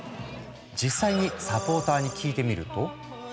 実際にサポーターに聞いてみると。